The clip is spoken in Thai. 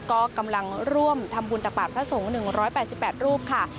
ก็กำลังร่วมทำบุญตักบาทพระสงฆ์๑๘๘รูปค่ะ